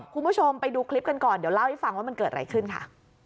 คุณผู้ชมไปดูคลิปกันก่อนเดี๋ยวเล่าให้ฟังว่ามันเกิดอะไรขึ้นค่ะ